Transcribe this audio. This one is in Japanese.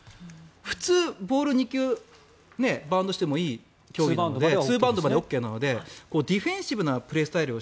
普通、ボール２球バウンドしてもいい競技でツーバウンドまでＯＫなのでディフェンシブなプレースタイルを